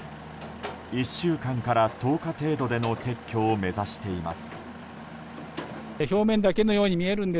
１週間から１０日程度での撤去を目指しています。